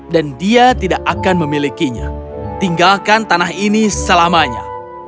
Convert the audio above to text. dan dia tidak akan memilikinya tinggalkan tanah ini selamanya